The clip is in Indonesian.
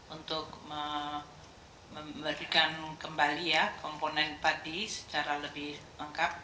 untuk memberikan kembali ya komponen padi secara lebih lengkap